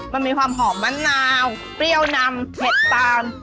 มันมีความหอมมะนาวเปรี้ยวนำเผ็ดตาม